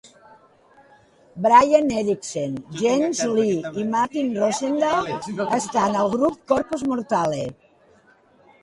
Brian Eriksen, Jens Lee i Martin Rosendahl estan al grup Corpus Mortale.